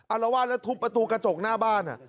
อารวาสแล้วทุบประตูกระจกหน้าบ้าน